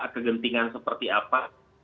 kegentingan seperti apa